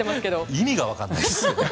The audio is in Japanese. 意味がわからないです。